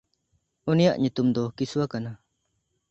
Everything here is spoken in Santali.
ᱩᱱᱤᱭᱟᱜ ᱧᱩᱛᱩᱢ ᱫᱚ ᱠᱤᱥᱣᱟ ᱠᱟᱱᱟ᱾